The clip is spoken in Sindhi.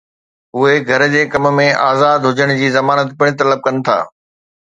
اهي گهر جي ڪم ۾ آزاد هجڻ جي ضمانت پڻ طلب ڪن ٿا